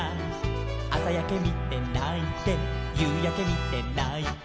「あさやけみてないてゆうやけみてないて」